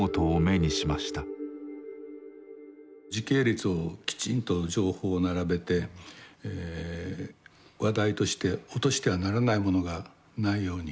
時系列をきちんと情報を並べて話題として落としてはならないものがないように。